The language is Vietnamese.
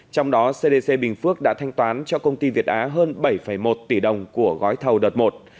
trong đó cdc bình phước đã thanh toán cho công ty việt á hơn bảy một tỷ đồng của gói thầu đợt một